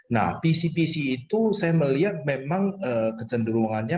nah pc pc itu saya melihat memang kecenderungannya